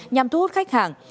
nhằm thu hút khách hàng